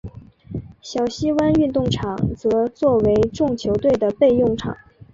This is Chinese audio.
小西湾运动场则作为众球队的备用场。